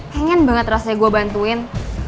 pengen banget rasanya gue bantuin